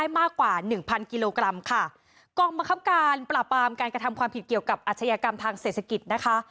มากกว่าหนึ่งพันกิโลกรัมค่ะกองบังคับการปราบปรามการกระทำความผิดเกี่ยวกับอาชญากรรมทางเศรษฐกิจนะคะ